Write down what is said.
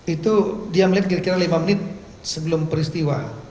itu dia melihat kira kira lima menit sebelum peristiwa